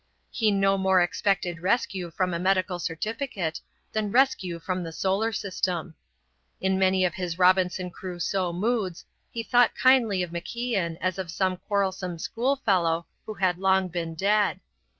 He no more expected rescue from a medical certificate than rescue from the solar system. In many of his Robinson Crusoe moods he thought kindly of MacIan as of some quarrelsome school fellow who had long been dead.